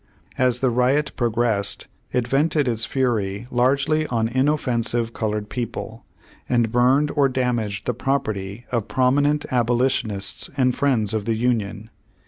As the riot progressed it vented its fury largely on inoffensive colored people, and Burned or damaged the property of prominent abolitionists and friends of the Union.